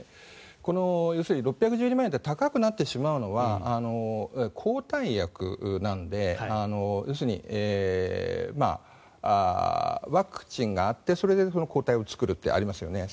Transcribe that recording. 要するに６１２万円って高くなってしまうのは抗体薬なので要するにワクチンがあってそれで抗体を作るってありますよね。